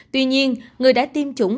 tuy nhiên người đã tiêm chủng